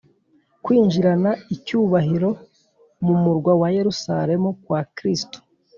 kwinjirana icyubahiro mu murwa wa yerusalemu kwa kristo